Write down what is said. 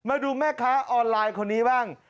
มาดูแม่ค้าออนไลน์คนนี้บ้าง